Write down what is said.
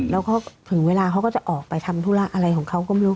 แล้วก็ถึงเวลาเขาก็จะออกไปทำธุระอะไรของเขาก็ไม่รู้